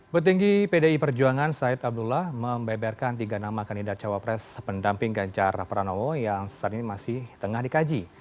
betinggi pdi perjuangan syed abdullah membeberkan tiga nama kandidat cawa pres pendamping ganjar rafferanowo yang saat ini masih tengah dikaji